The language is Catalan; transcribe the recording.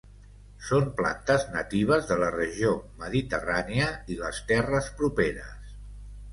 Són plantes natives de la regió mediterrània i les terres properes.